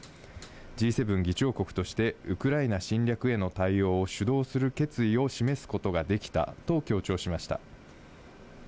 Ｇ７議長国として、ウクライナ侵略への対応を主導する決意を示すことができたと強調しました。